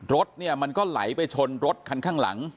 รถเนี่ยมันก็ไหลไปชนรถคันข้างหลัง